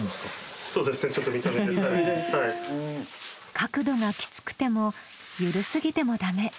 角度がきつくてもゆるすぎてもダメ。